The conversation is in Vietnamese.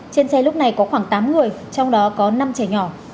trên xe lúc này có khoảng tám người trong đó có năm trẻ nhỏ